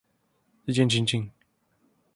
日漸親近